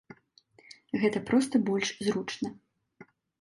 Гэта проста больш зручна.